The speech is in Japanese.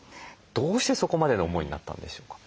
どうしてそこまでの思いになったんでしょうか？